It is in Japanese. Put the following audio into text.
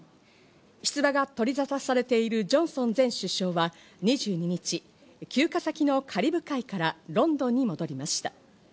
出馬が取りざたされているジョンソン前首相は２２日、休暇先のカリブ海からロンドンに戻りました。